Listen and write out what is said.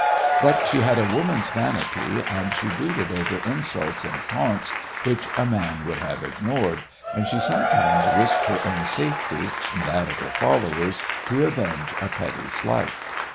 But she had a woman's vanity, and she brooded over insults and taunts which a man would have ignored, and she sometimes risked her own safety and that of her followers to avenge a petty slight.